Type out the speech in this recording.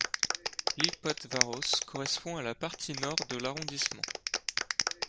Lipótváros correspond à la partie nord de l'arrondissement.